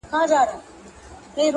نن مي په دېوان کي د جانان حماسه ولیکه،